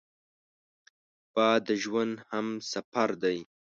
باد د ژوند همسفر دی